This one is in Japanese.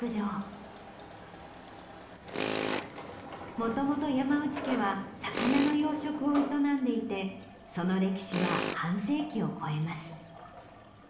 元々山内家は魚の養殖を営んでいてその歴史は半世紀を超えます。